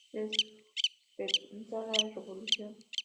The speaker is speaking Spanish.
Repensar la revolución".